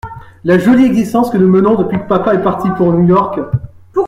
La jolie existence que nous menons depuis que papa est parti pour New-York !